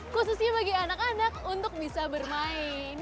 khususnya bagi anak anak untuk bisa bermain